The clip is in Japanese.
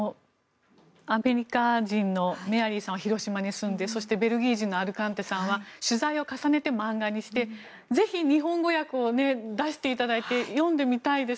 アメリカ人のメアリーさんは広島に住んで、そしてベルギー人のアルカンテさんは取材を重ねて漫画にしてぜひ、日本語訳を出していただいて読んでみたいです。